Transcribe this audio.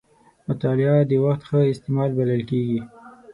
مطالعه د وخت ښه استعمال بلل کېږي.